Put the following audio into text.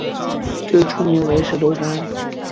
最初名为石头山。